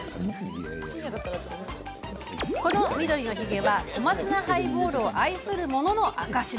この緑のひげは小松菜ハイボールを愛する者の証し。